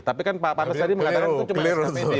tapi kan pak anies tadi mengatakan